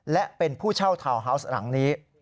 และเป็นผู้เช่าทาวน์ฮาวส์หลังนี้